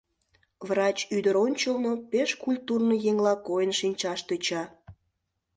Врач ӱдыр ончылно пеш культурный еҥла койын шинчаш тӧча.